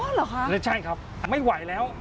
อ๋อเหรอคะใช่ครับไม่ไหวแล้ว